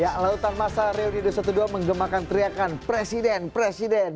ya lautan masa reuni dua ratus dua belas menggemakan teriakan presiden presiden